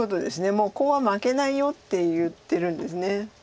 もうコウは負けないよって言ってるんです。